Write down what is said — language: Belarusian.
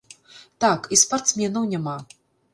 Так, і спартсменаў няма!